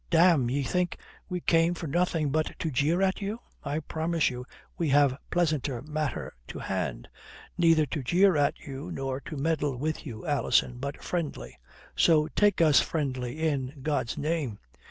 "Damme, d'ye think we came for nothing but to jeer at you? I promise you we have pleasanter matter to hand. Neither to jeer at you, nor to meddle with you, Alison, but friendly. So take us friendly in God's name.